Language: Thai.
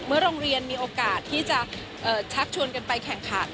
โรงเรียนมีโอกาสที่จะชักชวนกันไปแข่งขัน